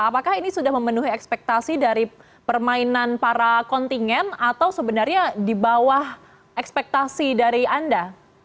apakah ini sudah memenuhi ekspektasi dari permainan para kontingen atau sebenarnya di bawah ekspektasi dari anda